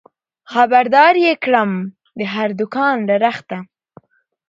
خبر دار يې کړم د هر دوکان له رخته